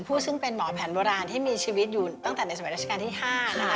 ซึ่งเป็นหมอแผนโบราณที่มีชีวิตอยู่ตั้งแต่ในสมัยราชการที่๕นะคะ